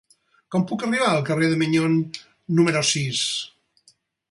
Com puc arribar al carrer de Maignon número sis?